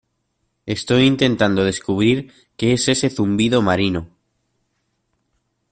estoy intentando descubrir que es ese zumbido marino.